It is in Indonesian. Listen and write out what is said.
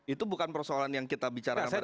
itu bukan persoalan yang kita bicara pada saat ini